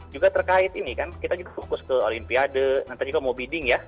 juga terkait ini kan kita juga fokus ke olimpiade nanti juga mau bidding ya